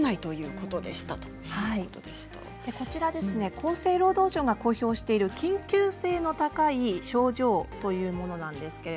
厚生労働省が公表している緊急性の高い症状というものです。